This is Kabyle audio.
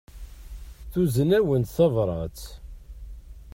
Tuzen-awen-d tabrat.